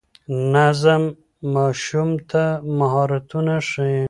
نظم ماشوم ته مهارتونه ښيي.